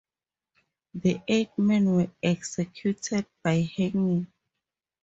The eight men were executed by hanging.